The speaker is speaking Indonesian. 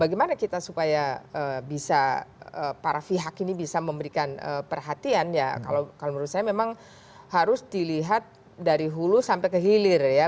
bagaimana kita supaya bisa para pihak ini bisa memberikan perhatian ya kalau menurut saya memang harus dilihat dari hulu sampai ke hilir ya